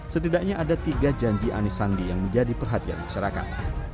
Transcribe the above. setidaknya ada tiga janji anies sandi yang menjadi perhatian masyarakat